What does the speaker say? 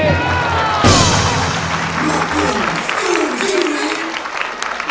ไม่ใช้